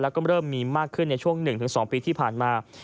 แล้วก็เริ่มมีมากขึ้นในช่วง๑๒ปีที่ผ่านมา